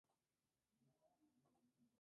Principalmente de ganado bovino.